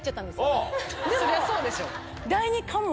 そりゃそうでしょう。